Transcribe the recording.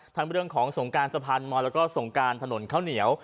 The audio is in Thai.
เรื่องของสงการสะพานมอยแล้วก็สงการถนนข้าวเหนียว